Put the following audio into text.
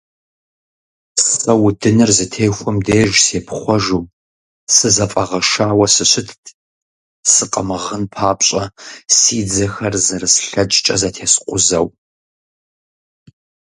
Сэ удыныр зытехуэм деж сепхъуэжу, сызэфӀэгъэшауэ сыщытт, сыкъэмыгъын папщӀэ си дзэхэр зэрыслъэкӀкӀэ зэтескъузэу.